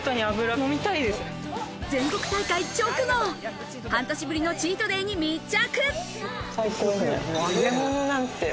全国大会直後、半年ぶりのチートデイに密着。